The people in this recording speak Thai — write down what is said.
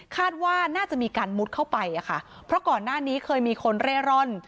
คาดว่าน่าจะมีการมุดเข้าไปอะค่ะเพราะก่อนหน้านี้เคยมีคนเร่ร่อน